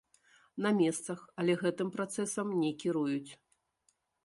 На месцах, але гэтым працэсам не кіруюць.